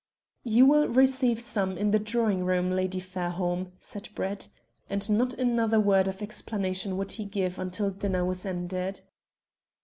"You will receive some in the drawing room, Lady Fairholme," said Brett; and not another word of explanation would he give until dinner was ended.